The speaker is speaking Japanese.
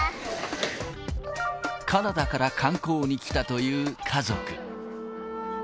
カナダから観光に来たという家族。